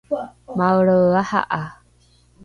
maelre aha’a